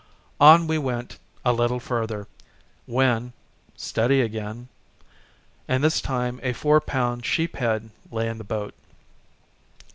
On we went a little further, when, "steady again," and this time a four pound sheephead lay in the boat.